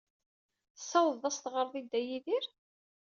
Tessawḍed ad as-teɣred i Dda Yidir?